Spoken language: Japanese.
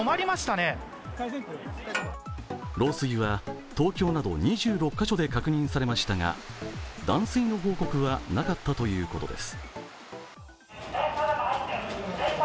漏水は東京など２６カ所で確認されましたが、断水の報告はなかったということです。